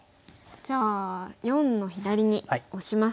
じゃあ④の左にオシますか。